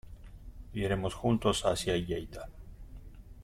Iremos juntos hacia Lleida.